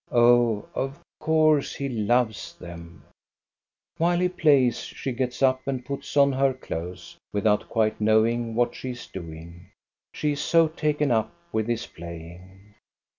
Oh, of course he loves them ! While he plays she gets up and puts on her clothes without quite knowing what she is doing. She is so taken up with his playing.